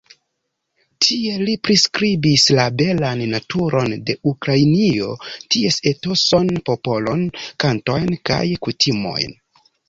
Tie li priskribis la belan naturon de Ukrainio, ties etoson, popolon, kantojn kaj kutimojn.